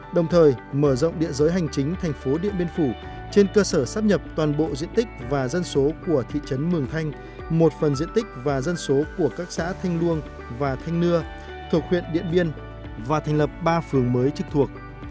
đồng thời mở rộng địa giới hành chính thành phố điện biên phủ trên cơ sở sắp nhập toàn bộ diện tích và dân số của thị trấn mường thanh một phần diện tích và dân số của các xã thanh luông và thanh nưa thuộc huyện điện biên và thành lập ba phường mới trực thuộc